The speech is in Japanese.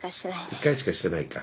１回しかしてないか。